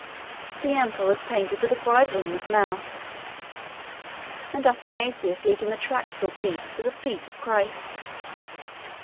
The emperor was painted with a bridle in his mouth, and Athanasius leading the tractable beast to the feet of Christ.